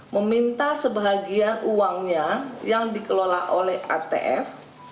meminta sebahagia uangnya yang dikelola oleh atf